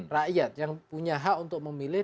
rakyat yang punya hak untuk memilih